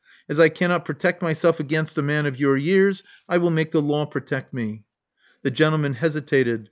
As I cannot protect myself against a man of your years, I will make the law protect me." The gentleman hesitated.